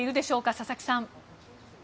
佐々木さん。